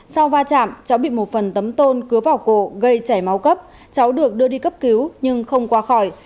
sau va chạm cháu bị một phần tấm tôn cứa vào cổ gây chảy máu cấp cháu được đưa đi cấp cứu nhưng không qua khỏi